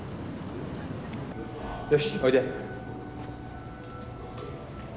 よしおいで。